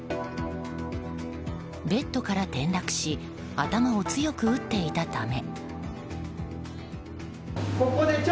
ベッドから転落し頭を強く打っていたため。